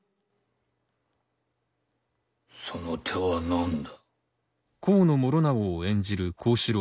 「その手は何だ」。